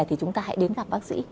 thì chúng ta hãy đến gặp bác sĩ